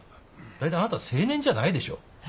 だいたいあなた青年じゃないでしょ？